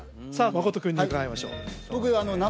真君に伺いましょうはい